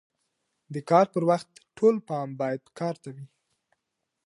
د کار پر وخت ټول پام باید کار ته وي.